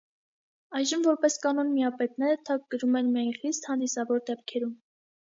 Այժմ, որպես կանոն, միապետները թագ կրում են միայն խիստ հանդիսավոր դեպքերում։